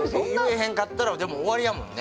へんかったらでも終わりやもんね